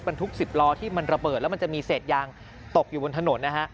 ทุก๑๐ล้อที่มันระเบิดแล้วมันจะมีเศษยางตกอยู่บนถนนนะฮะ